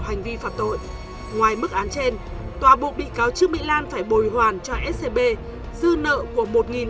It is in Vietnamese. hành vi phạt tội ngoài mức án trên tòa buộc bị cáo trương mỹ lan phải bồi hoàn cho scb dư nợ của